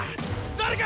誰か！